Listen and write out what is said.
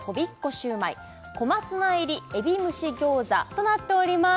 焼売小松菜入り海老蒸し餃子となっております